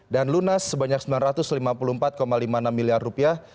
dan lunas sebanyak sembilan ratus lima puluh empat lima puluh enam miliar rupiah